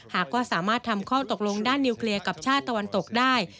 หากว่าสามารถทำข้อตกลงด้านนิวเคลียร์กับชาติตะวันตกได้